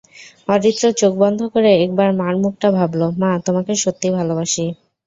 অরিত্র চোখ বন্ধ করে একবার মার মুখটা ভাবল, মা, তোমাকে সত্যি ভালোবাসি।